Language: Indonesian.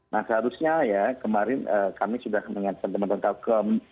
nah seharusnya ya kemarin kami sudah mengingatkan teman teman telkom